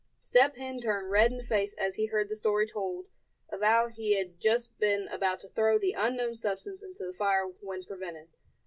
Step Hen turned red in the face as he heard the story told of how he had just been about to throw the unknown substance into the fire when prevented.